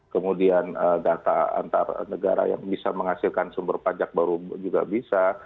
kemudian data antar negara yang bisa menghasilkan sumber pajak baru juga bisa